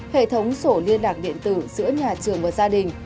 hệ thống sổ liên lạc điện tử giữa nhà trường và gia đình